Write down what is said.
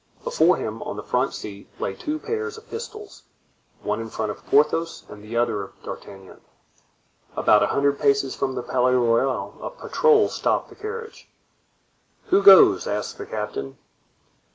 Before him, on the front seat, lay two pairs of pistols—one in front of Porthos and the other of D'Artagnan. About a hundred paces from the Palais Royal a patrol stopped the carriage. "Who goes?" asked the captain.